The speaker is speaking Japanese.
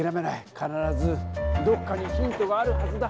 かならずどこかにヒントがあるはずだ。